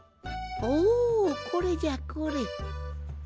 おこれじゃこれ。